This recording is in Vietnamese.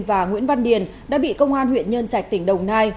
và nguyễn văn điền đã bị công an huyện nhân trạch tỉnh đồng nai